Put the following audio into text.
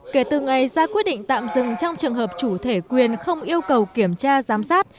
kể từ ngày ra quyết định tạm dừng trong trường hợp chủ thể quyền không yêu cầu kiểm tra giám sát